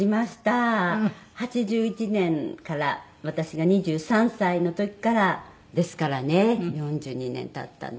８１年から私が２３歳の時からですからね４２年経ったんです。